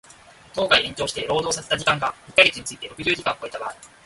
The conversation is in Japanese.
当該延長して労働させた時間が一箇月について六十時間を超えた場合